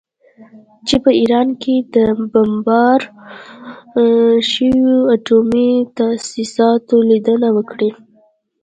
چې په ایران کې د بمبارد شویو اټومي تاسیساتو لیدنه وکړي